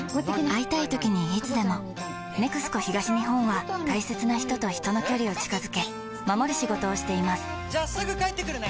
会いたいときにいつでも「ＮＥＸＣＯ東日本」は大切な人と人の距離を近づけ守る仕事をしていますじゃあすぐ帰ってくるね！